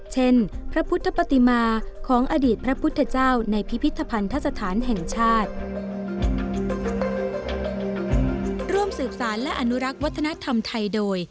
พระพุทธปฏิมาของอดีตพระพุทธเจ้าในพิพิธภัณฑสถานแห่งชาติ